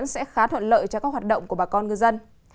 sẽ khá thuận lợi cho các hoạt động của bà con ngư dân